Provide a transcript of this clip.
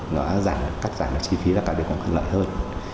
nó cắt giảm chi phí và cải thiện cộng thân lợi hơn